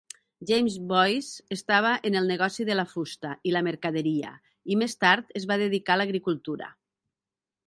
James Boyce estava en el negoci de la fusta i la mercaderia, i més tard es va dedicar a l'agricultura.